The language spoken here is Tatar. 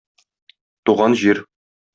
Туган җир...